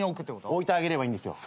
置いてあげればいいんですよ。